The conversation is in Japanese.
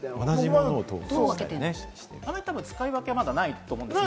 あまり使い分けはまだないと思います。